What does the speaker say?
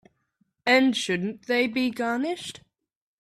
And shouldn't they be garnished?